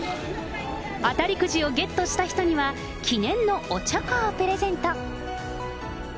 当たりくじをゲットした人には、記念のおちょこをプレゼント。